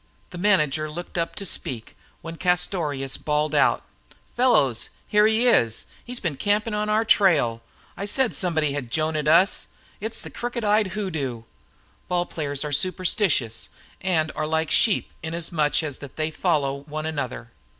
The manager looked up to speak when Castorious bawled out: "Fellows, here he is! He's been camping on our trail. I said somebody had Jonahed us. It's the crooked eyed hoodoo!" Ball players are superstitious, and are like sheep, inasmuch that they follow one another.